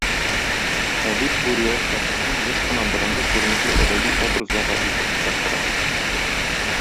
Әдип бу реаль шәхесне еш кына борынгы күренекле әдәби образларга илтеп тоташтыра.